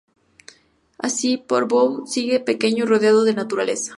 Así, Portbou sigue pequeño y rodeado de naturaleza.